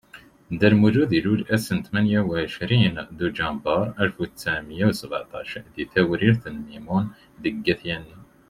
Dda Lmulud ilul ass tmenya u ɛecrin Duǧember Alef u ttɛemya u sbaɛṭac di Tewrirt Mimun deg At Yanni.